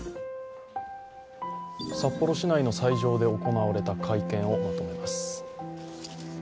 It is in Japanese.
札幌市内の斎場で行われた会見をまとめます。